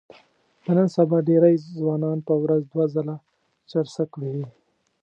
د نن سبا ډېری ځوانان په ورځ دوه ځله چرسک وهي.